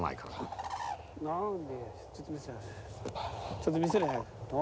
ちょっと見せれ早く。